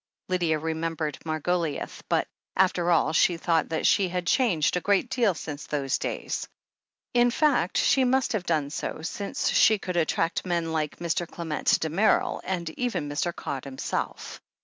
Lydia remembered Margoliouth, but, after all, she thought that she had changed a great deal since those days. In fact, she must have done so, since she could attract men like Mr. Clement Damerel, and even Mr. Codd himself.